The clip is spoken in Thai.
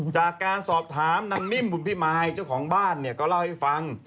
จากการสอบถามนางนิ่มบุญพิมายเจ้าของบ้านเนี่ยก็เล่าให้ฟัง